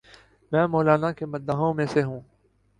میں مولانا کے مداحوں میں سے ہوں۔